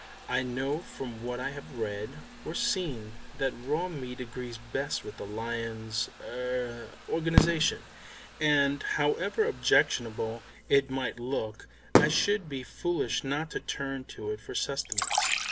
I know from what I have read or seen that raw meat agrees best with the lion's er organisation, and however objectionable it might look I should be foolish not to turn to it for sustenance.